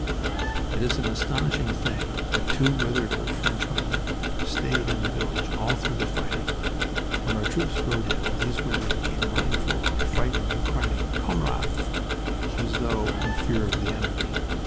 It is an astonishing thing that two withered old French women stayed in the village all through the fighting. When our troops rode in these women came running forward, frightened and crying "Camarades!" as though in fear of the enemy.